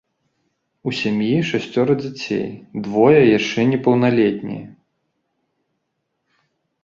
У сям'і шасцёра дзяцей, двое яшчэ непаўналетнія.